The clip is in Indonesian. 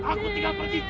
hah aku tinggal pergi